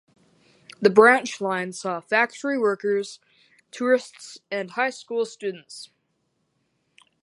The branch line saw factory workers, tourists, and high school students.